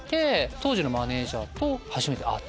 当時のマネジャーと初めて会って。